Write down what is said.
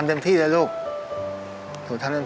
มีความสุขไหมคะอยู่กับลูกคุณพ่อ